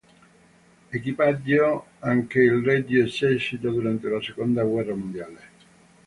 Equipaggiò anche il Regio Esercito durante la seconda guerra mondiale.